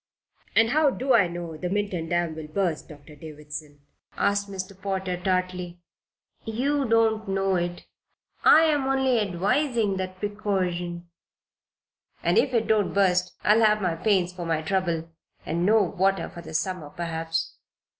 "And how do I know the Minturn dam will burst, Dr. Davison?" asked Mr. Potter, tartly. "You don't know it. I'm only advising that precaution." "And if it don't burst I'll have my pains for my trouble and no water for the summer, perhaps.